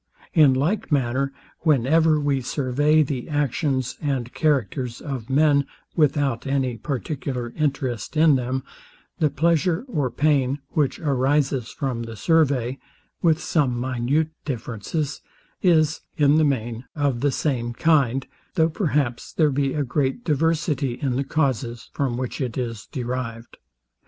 In like manner, whenever we survey the actions and characters of men, without any particular interest in them, the pleasure, or pain, which arises from the survey (with some minute differences) is, in the main, of the same kind, though perhaps there be a great diversity in the causes, from which it is derived.